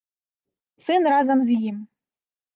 Сын разам з ім.